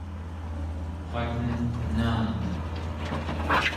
waten enani